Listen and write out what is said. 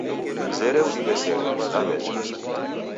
Mzere udiw'esere, daw'echa